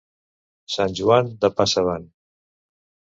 Sant Joan de Passa avant.